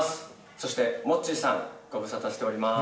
そしてモッチーさん、ご無沙汰しております。